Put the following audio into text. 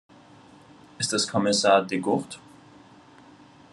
Ist es Kommissar De Gucht?